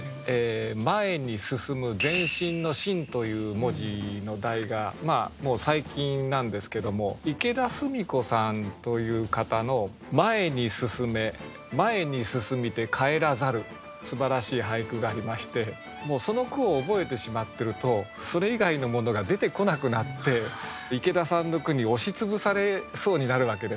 前に進む前進の「進」という文字の題がまあもう最近なんですけども池田澄子さんという方のすばらしい俳句がありましてもうその句を覚えてしまってるとそれ以外のものが出てこなくなって池田さんの句に押し潰されそうになるわけです。